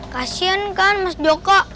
kasian kan mas joko